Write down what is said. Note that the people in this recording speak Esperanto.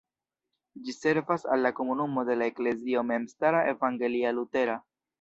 Ĝi servas al la komunumo de la Eklezio memstara evangelia-lutera.